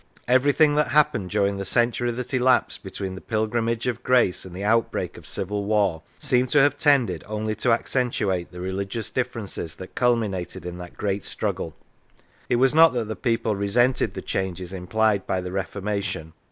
Everything that happened during the century that elapsed between the Pilgrimage of Grace and the out break of Civil War seemed to have tended only to accentuate the religious differences that culminated in that great struggle. It was not that the people re sented the changes implied by the Reformation.